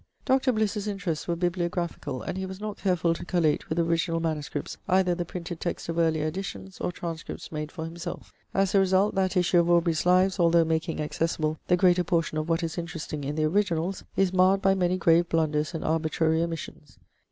Dr. Bliss's interests were bibliographical, and he was not careful to collate with original MSS. either the printed text of earlier editions or transcripts made for himself. As a result, that issue of Aubrey's Lives, although making accessible the greater portion of what is interesting in the originals, is marred by many grave blunders and arbitrary omissions.